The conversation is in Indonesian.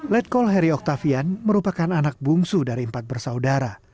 letkol heri oktavian merupakan anak bungsu dari empat bersaudara